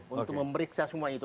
untuk memeriksa semua itu